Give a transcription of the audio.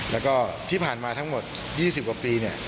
แล้วก็ที่ผ่านมาทั้งหมด๒๐กว่าปีเนี่ย